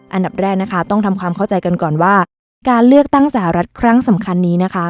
อันดับแรกนะคะต้องทำความเข้าใจกันก่อนว่าการเลือกตั้งสหรัฐครั้งสำคัญนี้นะคะ